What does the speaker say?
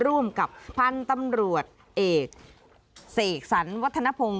ร่วมกับพันธุ์ตำรวจเอกเสกสรรวัฒนภง